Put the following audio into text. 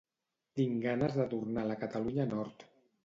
Tinc ganes de tornar a la Catalunya nord